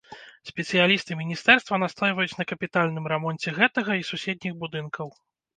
Спецыялісты міністэрства настойваюць на капітальным рамонце гэтага і суседніх будынкаў.